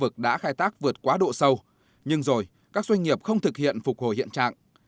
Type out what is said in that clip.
các doanh nghiệp không thực hiện phục hồi hiện trạng